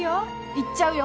行っちゃうよ。